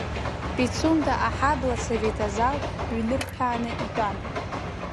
Пицунда аҳаблсовет азал ҩнырҭәааны итәан.